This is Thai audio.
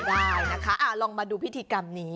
ได้นะคะลองมาดูพิธีกรรมนี้